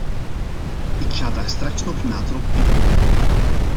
Ik ga daar straks nog nader op in.